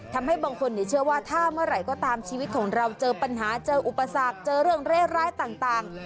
ทำให้บางคนเชื่อว่าถ้าเมื่อไหร่ก็ตามชีวิตของเราเจอปัญหาเจออุปสรรคเจอเรื่องเร่ร้ายต่าง